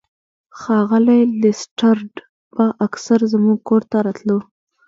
ښاغلی لیسټرډ به اکثر زموږ کور ته راتلو.